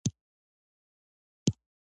تصمیم نیول څومره ګران دي؟